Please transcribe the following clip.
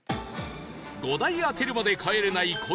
５台当てるまで帰れないこの旅